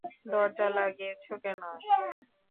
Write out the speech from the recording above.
দরজা লাগিয়েছ কেন?